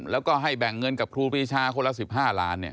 แล้วก็ให้แบ่งเงินกับครูปีชาคนละสิบห้าล้านเนี้ย